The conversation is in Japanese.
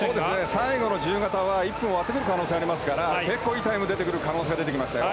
最後の自由形は１分を割ってくる可能性がありますから結構、いいタイムが出てくる可能性が出てきましたよ。